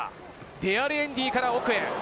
デアリエンディから奥へ。